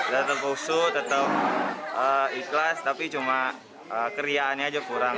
tetap usuh tetap ikhlas tapi cuma keriaannya saja kurang